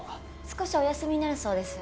少しお休みになるそうです。